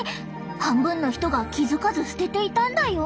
半分の人が気付かず捨てていたんだよ。